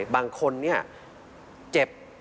บางคนเนี่ยเจ็บ